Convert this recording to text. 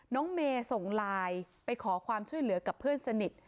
น้องเมย์ส่งไลน์ไปขอความช่วยเหลือกับเพื่อนสนิท